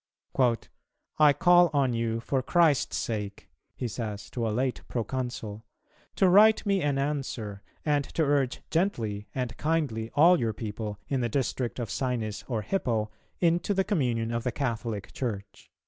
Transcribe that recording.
'" "I call on you for Christ's sake," he says to a late pro consul, "to write me an answer, and to urge gently and kindly all your people in the district of Sinis or Hippo into the communion of the Catholic Church."